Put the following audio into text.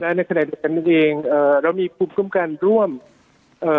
ในขณะเดียวกันเองเอ่อเรามีภูมิคุ้มกันร่วมเอ่อ